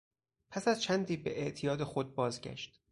پس از چندی به اعتیاد خود بازگشت.